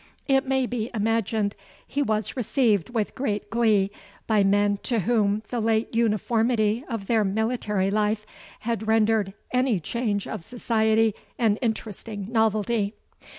It may be imagined he was received with great glee by men to whom the late uniformity of their military life had rendered any change of society an interesting novelty.